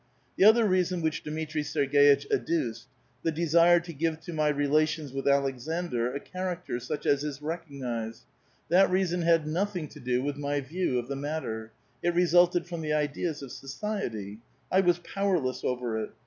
The other reason which Dmitri Serg^itch adduced, — the desire to give to my relations with Aleksandr a character such as is recognized, — that reason had nothing to do with my view of the mat ter ; it resulted from the ideas of society. 1 was powerless over it.